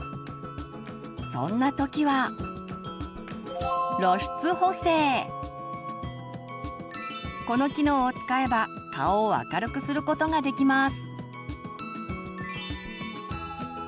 そんな時はこの機能を使えば顔を明るくすることができます。